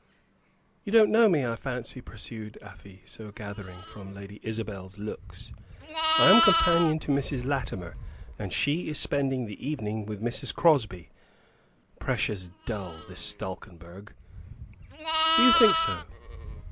"You don't know me, I fancy," pursued Afy, so gathering from Lady Isabel's looks. "I am companion to Mrs. Latimer; and she is spending the evening with Mrs. Crosby. Precious dull, this Stalkenberg." "Do you think so?"